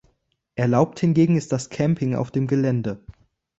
Erlaubt hingegen ist das Camping auf dem Gelände.